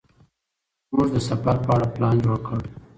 موږ د سفر په اړه پلان جوړ کړ.